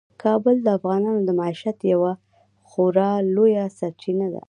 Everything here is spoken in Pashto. کابل د افغانانو د معیشت یوه خورا لویه سرچینه ده.